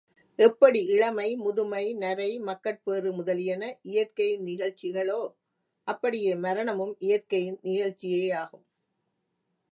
எப்படி இளமை, முதுமை, நரை மக்கட்பேறு முதலியன இயற்கையின் நிகழ்ச்சிகளோ அப்படியே மரணமும் இயற்கையின் நிகழ்ச்சியேயாகும்.